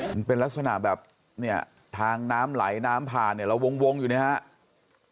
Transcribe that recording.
มันเป็นลักษณะแบบเนี่ยทางน้ำไหลน้ำผ่านเนี่ยเราวงอยู่เนี่ยครับ